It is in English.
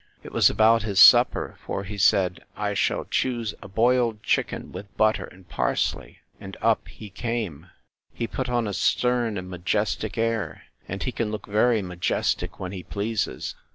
It was about his supper; for he said, I shall choose a boiled chicken with butter and parsley.—And up he came! He put on a stern and majestic air; and he can look very majestic when he pleases.